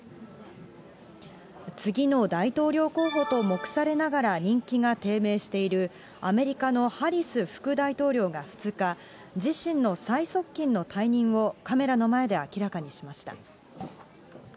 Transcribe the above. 次の大統領候補と目されながら人気が低迷している、アメリカのハリス副大統領が２日、自身の最側近の退任をカメラの前で明らかにしました。